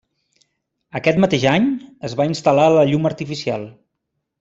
Aquest mateix any, es va instal·lar la llum artificial.